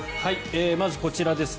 まず、こちらです。